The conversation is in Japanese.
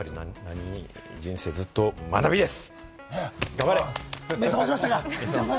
人生ずっと学びです。